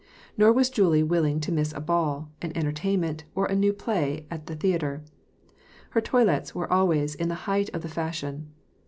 Nor was Julie willing to miss a ball, an entertainment, or a new play at the theatre. Her toilets were always in the height of the fashion.